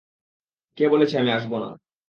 কে বলেছে আমি আসব না?